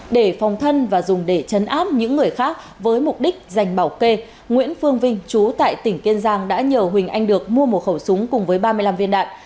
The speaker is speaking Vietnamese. để phòng thân và dùng để chấn áp những người khác với mục đích dành bảo kê nguyễn phương vinh chú tại tỉnh kiên giang đã nhờ huỳnh anh được mua một khẩu súng cùng với ba mươi năm viên đạn